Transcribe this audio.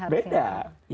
beda sih harusnya